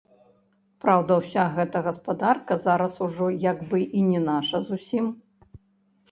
Праўда, уся гэта гаспадарка зараз ужо як бы і не наша зусім.